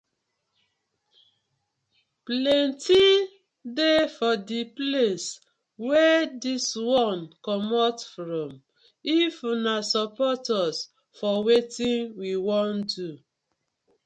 Plenty dey for di place wey dis one comot from if una support us for wetin we won do.